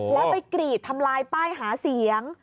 แล้วไปกรีดทำลายป้ายหาเสียง